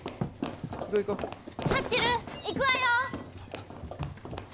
行くわよ！